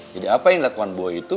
jadi apa yang lakukan boy itu